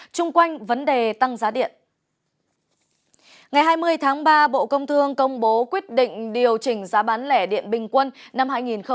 từ ngày một mươi tháng ba bộ công thương công bố quyết định điều chỉnh giá bán lẻ điện bình quân năm hai nghìn một mươi chín